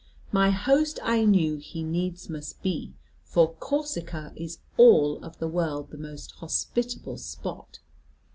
My host I knew he needs must be, for Corsica is of all the world the most hospitable spot.